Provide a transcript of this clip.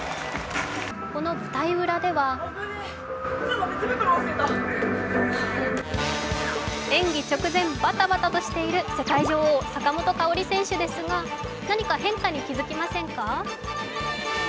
この舞台裏では演技直前、バタバタとしている世界女王、坂本花織選手ですが、何か変化に気づきませんか？